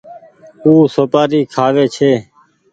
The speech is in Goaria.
او سوپآري ڪآ کآوي ڇي۔